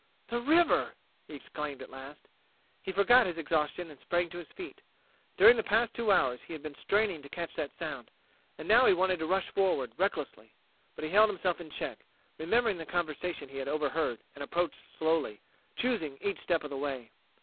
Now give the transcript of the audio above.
"The river!" he exclaimed at last. He forgot his exhaustion and sprang to his feet. During the past two hours he had been straining to catch that sound, and now he wanted to rush forward, recklessly. But he held himself in check, remembering the conversation he had overheard, and approached slowly, choosing each step of the way.